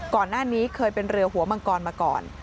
ก่อนหน้านี้เคยเป็นเรือหัวมังกรมาก่อน